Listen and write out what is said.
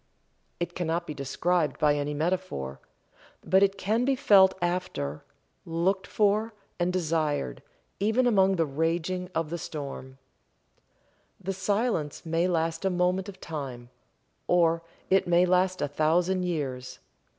It cannot be described by any metaphor. But it can be felt after, looked for, and desired, even among the raging of the storm. The silence may last a moment of time, or it may last a thousand years.